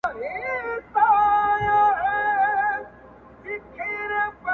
o هغي نجلۍ چي زما له روحه به یې ساه شړله.